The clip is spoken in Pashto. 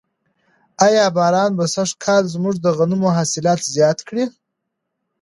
آیا باران به سږکال زموږ د غنمو حاصلات زیات کړي؟